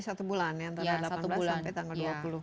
delapan belas sampai tanggal dua puluh maret